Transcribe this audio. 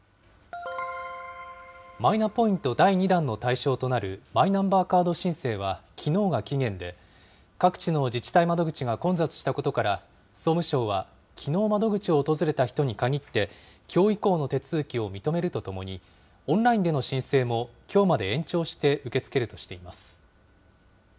マイナポイント第２弾の対象となる、マイナンバーカード申請はきのうが期限で、各地の自治体窓口が混雑したことから、総務省はきのう窓口を訪れた人に限って、きょう以降の手続きを認めるとともに、オンラインでの申請もきょうまで延長して受け付けるとしています。